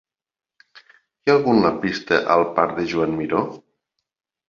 Hi ha algun lampista al parc de Joan Miró?